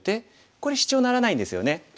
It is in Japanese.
これシチョウならないんですよね。